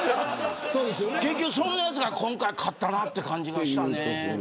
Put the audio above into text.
結局、そんなやつが今回は勝ったなという感じでした。